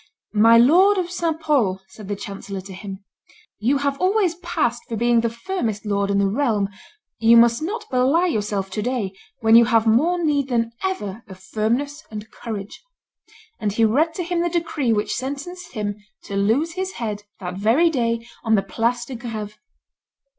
"My lord of St. Pol," said the chancellor to him, "you have always passed for being the firmest lord in the realm; you must not belie yourself to day, when you have more need than ever of firmness and courage;" and he read to him the decree which sentenced him to lose his head that very day on the Place de Greve.